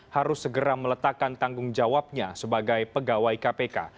harus segera meletakkan tanggung jawabnya sebagai pegawai kpk